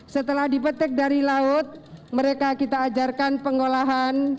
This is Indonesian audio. setelah dipetik dari laut mereka kita ajarkan pengolahan